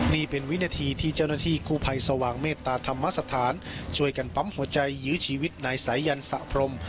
นี่เป็นวินาทีที่เจ้าหน้าที่กู้ภัยสว่างเมตตาธรรมสถานช่วยกันปั๊มหัวใจยื้อชีวิตนายสายันสะพรม